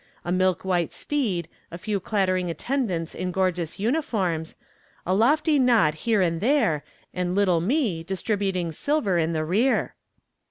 A milk white steed, a few clattering attendants in gorgeous uniforms, a lofty nod here and there, and little me distributing silver in the rear."